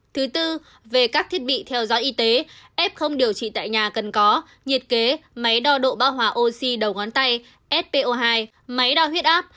thứ tư về các thiết bị theo dõi y tế f không điều trị tại nhà cần có nhiệt kế máy đo độ ba hòa oxy đầu ngón tay spo hai máy đo huyết áp